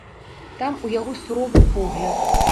Там у яго суровы погляд.